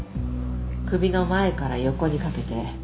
首の前から横にかけて内出血。